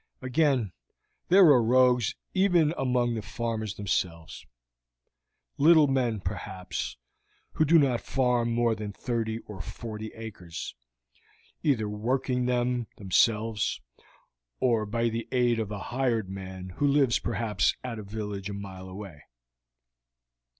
Again, there are rogues even among the farmers themselves; little men, perhaps, who do not farm more than thirty or forty acres, either working them themselves, or by the aid of a hired man who lives perhaps at a village a mile away.